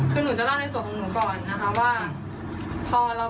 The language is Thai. คือหนูจะเล่าในส่วนของหนูก่อนนะคะว่าพอเรา